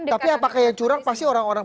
tapi apakah yang curang pasti orang orang